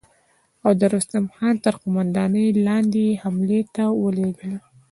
او د رستم خان تر قوماندې لاندې يې حملې ته را ولېږه.